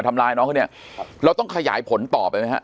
ทำร้ายน้องเขาเนี่ยเราต้องขยายผลต่อไปไหมฮะ